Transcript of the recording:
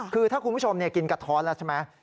คือถ้าคุณผู้ชมกินกระท้อนแล้วใช่ไหม